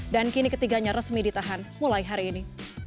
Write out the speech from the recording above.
dan kini ketiganya resmi ditahan mulai hari ini